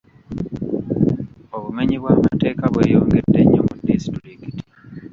Obumenyi bw'amateeka bweyongedde nnyo mu disitulikiti.